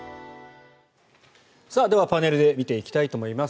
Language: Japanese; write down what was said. では、パネルで見ていきたいと思います。